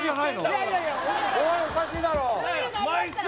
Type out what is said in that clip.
いやいやオイおかしいだろ！